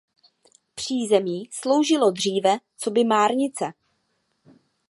Přízemí sloužilo dříve coby márnice.